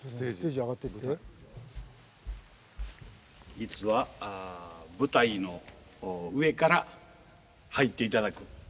実は舞台の上から入っていただく